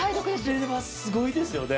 これはすごいですよね。